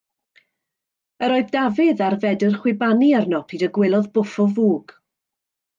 Yr oedd Dafydd ar fedr chwibanu arno pryd y gwelodd bwff o fwg.